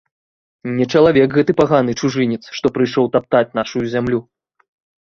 Не чалавек гэты паганы чужынец, што прыйшоў таптаць нашу зямлю!